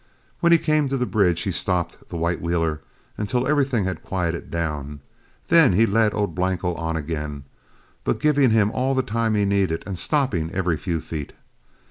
When he came to the bridge, he stopped the white wheeler until everything had quieted down; then he led old Blanco on again, but giving him all the time he needed and stopping every few feet.